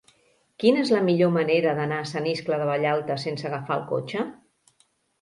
Quina és la millor manera d'anar a Sant Iscle de Vallalta sense agafar el cotxe?